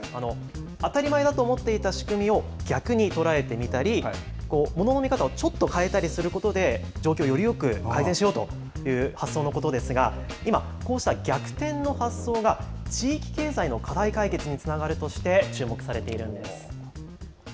当たり前だと思っていた仕組みを、逆に捉えてみたり、ものの見方をちょっと変えたりすることで、状況をよりよく改善しようという発想のことですが、今、こうした逆転の発想が、地域経済の課題解決につながるとして、注目されているんです。